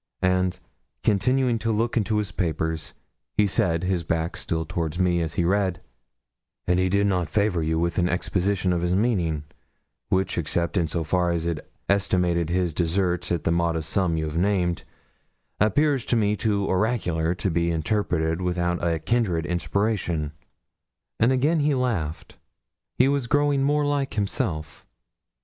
And, continuing to look into his papers, he said, his back still toward me as he read 'And he did not favour you with an exposition of his meaning, which, except in so far as it estimated his deserts at the modest sum you have named, appears to me too oracular to be interpreted without a kindred inspiration?' And again he laughed. He was growing more like himself.